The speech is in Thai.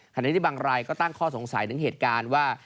ขณะที่บางรายก็ตั้งข้อสงสัยถึงเหตุการณ์ว่า